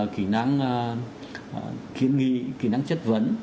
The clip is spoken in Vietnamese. kỹ năng kiên nghi kỹ năng chất vấn